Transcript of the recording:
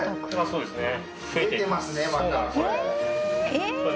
そうですね